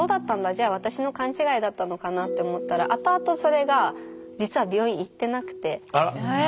じゃあ私の勘違いだったのかなって思ったら後々それが実はええ。